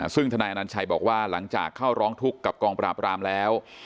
ซึ่งธนายอนัญชัยบอกว่าหลังจากเข้าร้องทุกข์กับกองปราบรามแล้ว